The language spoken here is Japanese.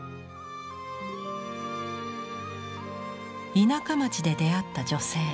田舎町で出会った女性。